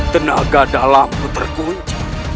tenaga dalammu terkunci